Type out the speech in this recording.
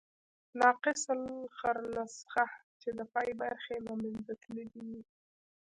ناقص الاخرنسخه، چي د پای برخي ئې له منځه تللي يي.